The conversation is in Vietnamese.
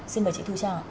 xin mời chị thu trang